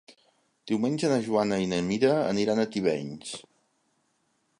Diumenge na Joana i na Mira aniran a Tivenys.